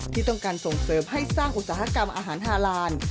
ที่ต้องการส่งเสริมให้สร้างอุตสาหกรรมอาหารฮาลาน